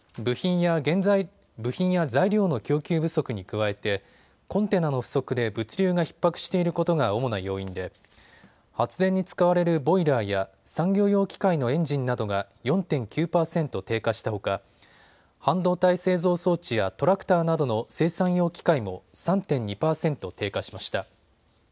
部品や材料の供給不足に加えてコンテナの不足で物流がひっ迫していることが主な要因で発電に使われるボイラーや産業用機械のエンジンなどが４．９％低下したほか半導体製造装置やトラクターなどの生産用機械も３．２％低下しました。